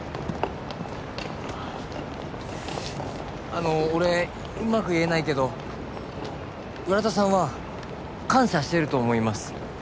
あの俺うまく言えないけど浦田さんは感謝してると思います。